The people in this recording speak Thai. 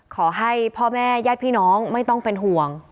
ขอให้พ่อแม่ญาติพี่น้องไม่ต้องเป็นห่วง